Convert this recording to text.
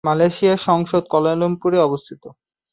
মালয়েশিয়ার সংসদ কুয়ালালামপুরে অবস্থিত।